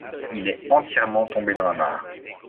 Il est entièrement tombé dans la mare.